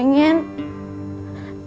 yang dedek pengen